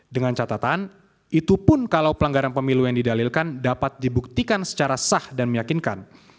dengan catatan itu pun kalau pelanggaran pemilu yang didalilkan dapat dibuktikan secara sah dan meyakinkan